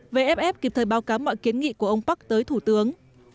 về ép ép kịp thời báo cáo mọi kiến nghị của ông park tới thủ tướng